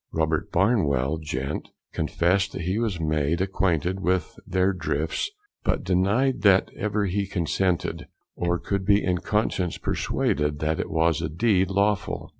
Robert Barnwell, Gent, confessed that he was made acquainted with their Drifts, but denied that ever he consented, or could be in conscience persuaded that it was a deed lawful.